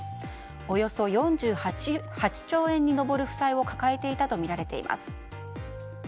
およそ４８兆円に上る負債を抱えていたとみられています。